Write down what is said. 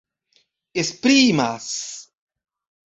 esprimas